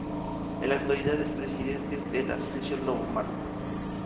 En la actualidad, es presidente de la asociación Lobo Marley.